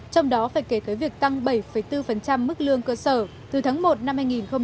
trong đó phải kể tới việc tăng bảy bốn mức lương cơ sở từ tháng một năm hai nghìn hai mươi